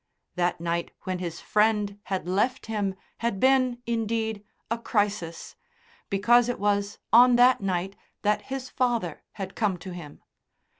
That night when his friend had left him had been, indeed, a crisis, because it was on that night that his father had come to him.